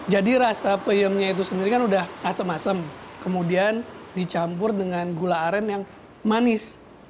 jadi rasa peyemnya itu sendiri kan udah asem asem kemudian dicampur dengan gula aren yang manis